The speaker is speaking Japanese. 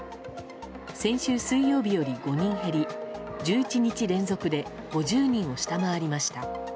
先週水曜日より５人減り１１日連続で５０人を下回りました。